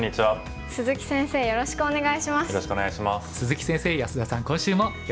はい。